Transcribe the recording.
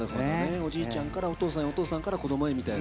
おじいちゃんからお父さんお父さんから子供へみたいな。